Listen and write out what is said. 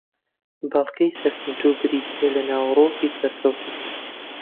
بڵاگی سەرکەوتوو بریتییە لە ناوەڕۆکی سەرکەوتوو